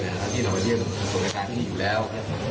นาฬิตลต้องเยื่อมตัวความการที่อยู่แล้ว